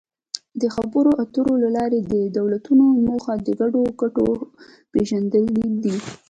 د خبرو اترو له لارې د دولتونو موخه د ګډو ګټو پېژندل دي